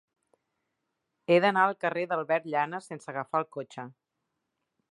He d'anar al carrer d'Albert Llanas sense agafar el cotxe.